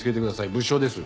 物証です。